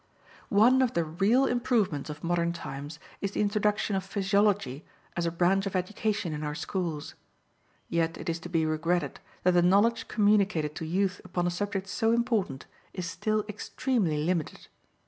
One of the real improvements of modern times is the introduction of physiology as a branch of education in our schools. Yet it is to be regretted that the knowledge communicated to youth upon a subject so important is still extremely limited.